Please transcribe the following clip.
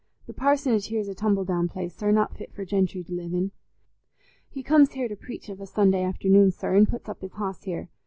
The parsonage here's a tumble down place, sir, not fit for gentry to live in. He comes here to preach of a Sunday afternoon, sir, an' puts up his hoss here.